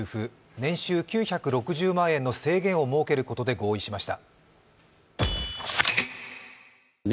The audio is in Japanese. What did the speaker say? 年収９６０万円の制限をもうけることで合意しました。